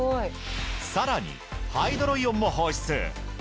さらにハイドロイオンも放出。